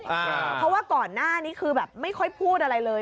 เพราะว่าก่อนหน้านี้คือแบบไม่ค่อยพูดอะไรเลย